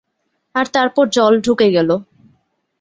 আর তারপর জল ঢুকে গেল।